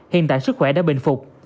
hiện tại sức khỏe đã bình phục